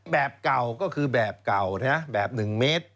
แบบเก่าก็คือแบบเก่านะแบบ๑เมตร